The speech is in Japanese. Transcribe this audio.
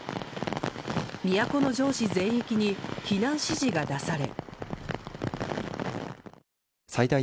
都城市全域に避難指示が出され。